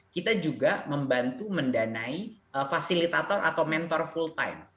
kita juga membantu mendanai fasilitator atau mentor full time